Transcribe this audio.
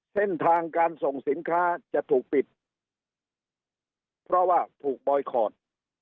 เส้นทางการส่งสินค้าจะถูกปิดเพราะว่าถูกบอยคอร์ด